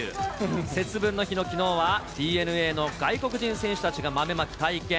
節分の日のきのうは、ＤｅＮＡの外国人選手たちが豆まき体験。